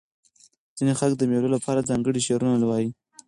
ځیني خلک د مېلو له پاره ځانګړي شعرونه وايي.